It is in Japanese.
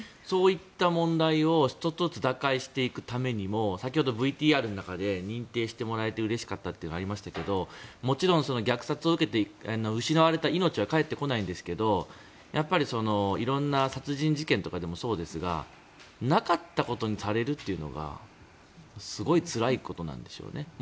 そういった問題を１つ１つ打開していくためにも先ほど、ＶＴＲの中で認定してもらえてうれしかったとありましたがもちろん、虐殺を受けて失われた命は返ってこないんですけどやっぱり色んな殺人事件とかでもそうですがなかったことにされるというのがすごくつらいことなんでしょうね。